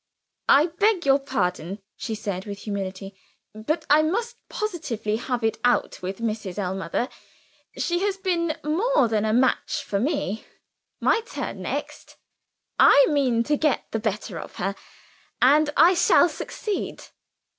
"I beg your pardon," she said with humility. "But I must positively have it out with Mrs. Ellmother. She has been more than a match for me my turn next. I mean to get the better of her; and I shall succeed."